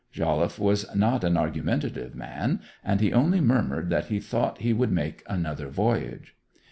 Jolliffe was not an argumentative man, and he only murmured that he thought he would make another voyage.